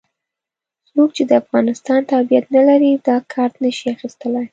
څوک چې د افغانستان تابعیت نه لري دا کارت نه شي اخستلای.